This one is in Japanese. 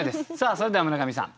それでは村上さん